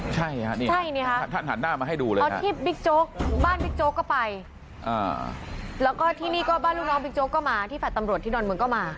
ใช่ค่ะนี่ท่านหันหน้ามาให้ดูเลยอ๋อที่บิ๊กโจ๊กบ้านบิ๊กโจ๊กก็ไปแล้วก็ที่นี่ก็บ้านลูกน้องบิ๊กโจ๊กก็มาที่แฟลต์ตำรวจที่ดอนเมืองก็มา